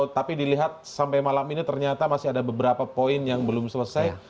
tapi dilihat sampai malam ini ternyata masih ada beberapa poin yang belum selesai